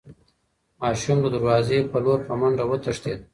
ماشوم د دروازې په لور په منډه وتښتېد.